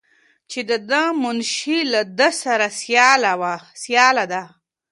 چې د ده منشي له ده سره سیاله ده.